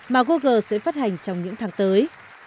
mà google sẽ phát hành trong những tháng tới